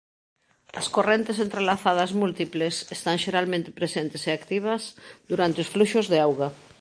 As correntes entrelazadas múltiples están xeralmente presentes e activas durante os fluxos de auga.